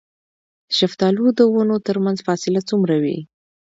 د شفتالو د ونو ترمنځ فاصله څومره وي؟